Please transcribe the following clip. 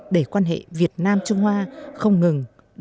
để quan hệ việt nam trung hoa không ngừng kết thúc